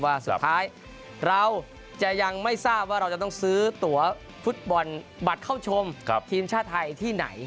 ว่าสุดท้ายเราจะยังไม่ทราบว่าเราจะต้องซื้อตัวฟุตบอลบัตรเข้าชมทีมชาติไทยที่ไหน